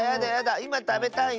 いまたべたいの。